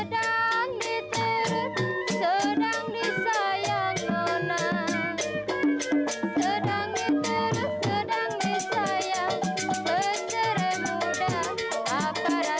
sedang diterut sedang disayang menang sedang diterut sedang disayang pesere muda apa rasanya